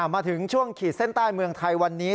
มาถึงช่วงขีดเส้นใต้เมืองไทยวันนี้